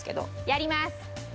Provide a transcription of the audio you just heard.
やります！